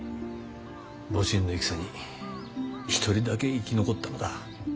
戊辰の戦に一人だけ生き残ったのだ。